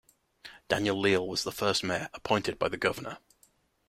Daniel Leal was the first mayor, appointed by the governor.